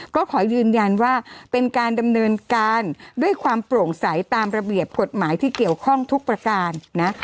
ก็ขอยืนยันว่าเป็นการดำเนินการด้วยความโปร่งใสตามระเบียบกฎหมายที่เกี่ยวข้องทุกประการ